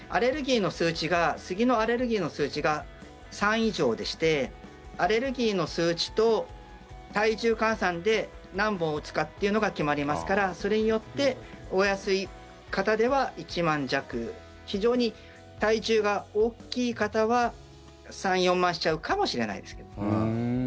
スギのアレルギーの数値が３以上でしてアレルギーの数値と体重換算で何本打つかっていうのが決まりますからそれによってお安い方では１万弱非常に体重が大きい方は３４万しちゃうかもしれないですけど。